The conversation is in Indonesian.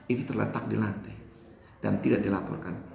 itu terletak di lantai dan tidak dilaporkan